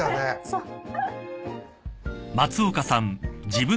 そう。